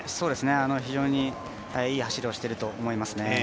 非常にいい走りをしていると思います。